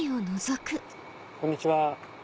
こんにちは。